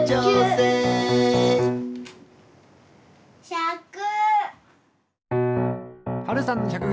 １００！